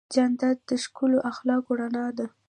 جانداد د ښکلو اخلاقو رڼا ده.